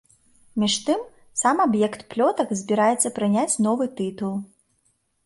Між тым, сам аб'ект плётак збіраецца прыняць новы тытул.